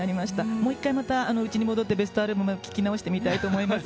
もう一回、またうちに戻ってベストアルバム聴き直してみたいと思います。